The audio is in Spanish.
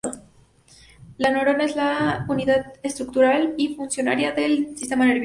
La neurona es la unidad estructural y funcional del sistema nervioso.